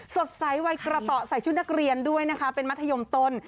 สดใสวัยกระต่อใส่ชุดนักเรียนด้วยนะคะเป็นมัธยมตน